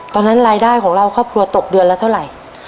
ตอนนั้นรายได้ของเราครอบครัวตกเดือนละเท่าไหร่